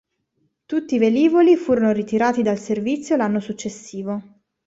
Tutti i velivoli furono ritirati dal servizio l'anno successivo.